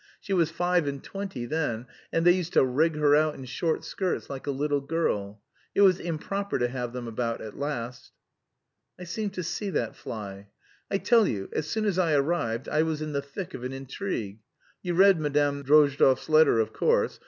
She was five and twenty then, and they used to rig her out in short skirts like a little girl. It was improper to have them about at last." "I seem to see that fly." "I tell you, as soon as I arrived I was in the thick of an intrigue. You read Madame Drozdov's letter, of course.